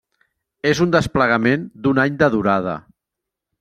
És un desplegament d'un any de durada.